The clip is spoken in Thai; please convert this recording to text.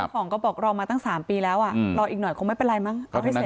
ของก็บอกรอมาตั้ง๓ปีแล้วอ่ะรออีกหน่อยคงไม่เป็นไรมั้งเอาให้เสร็จ